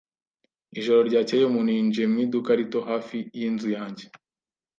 Ijoro ryakeye umuntu yinjiye mu iduka rito hafi yinzu yanjye.